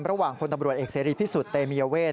ระหว่างคนอำรวจเอกซีรีส์พิสุธิ์ตมเมียเวท